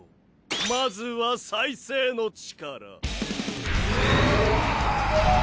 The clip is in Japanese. まずは再生の力。